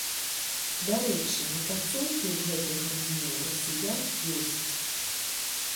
Дарэчы, напрацоўкі ў гэтай галіне ў расіян ёсць.